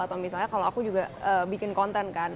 atau misalnya kalau aku juga bikin konten kan